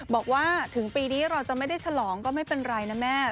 บอกว่าถึงปีนี้เราจะไม่ได้ฉลองก็ไม่เป็นไรนะแม่